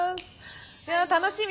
楽しみ。